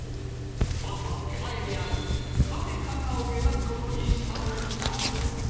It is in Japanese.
まずは手前にあるカフェかんなを目指す事にしたのだが